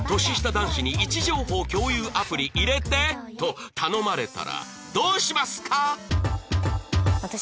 男子に位置情報共有アプリ入れてと頼まれたらどうしますか？